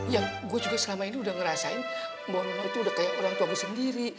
yang gue juga selama ini udah ngerasain bahwa itu udah kayak orang tua gue sendiri